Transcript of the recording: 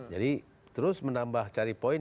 jadi terus menambah cari poin